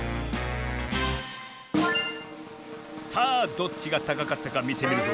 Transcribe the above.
さあどっちがたかかったかみてみるぞ。